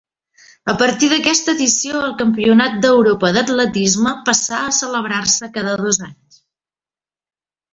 I a partir d'aquesta edició el Campionat d'Europa d'atletisme passà a celebrar-se cada dos anys.